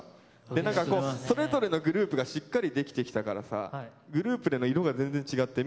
で何かそれぞれのグループがしっかりできてきたからさグループでの色が全然違って見ていて楽しかったですね。